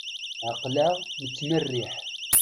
Aql-aɣ nettmerriḥ.